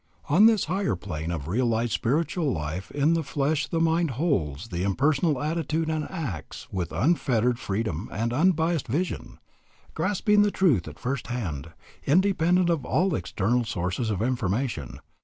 "On this higher plane of realized spiritual life in the flesh the mind holds the impersonal attitude and acts with unfettered freedom and unbiased vision, grasping truth at first hand, independent of all external sources of information.